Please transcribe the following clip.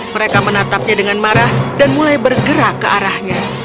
mereka menatapnya dengan marah dan mulai bergerak ke arahnya